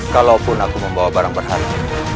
kalaupun aku membawa barang berharga